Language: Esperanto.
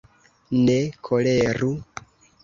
ne koleru.